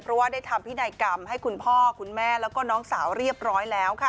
เพราะว่าได้ทำพินัยกรรมให้คุณพ่อคุณแม่แล้วก็น้องสาวเรียบร้อยแล้วค่ะ